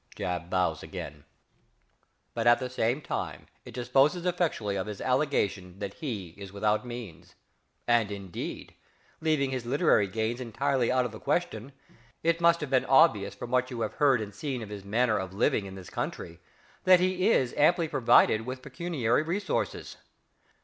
(~JAB.~ bows again.) But at the same time it disposes effectually of his allegation that he is without means, and indeed, leaving his literary gains entirely out of the question, it must have been obvious from what you have heard and seen of his manner of living in this country that he is amply provided with pecuniary resources.